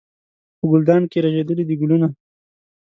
په ګلدان کې رژېدلي دي ګلونه